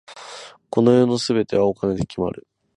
この世の全てはお金で決まる。